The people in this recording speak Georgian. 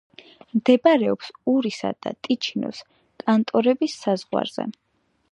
მდებარეობს ურისა და ტიჩინოს კანტონების საზღვარზე.